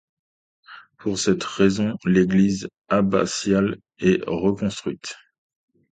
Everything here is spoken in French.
Pour cette raison, l'église abbatiale est reconstruite.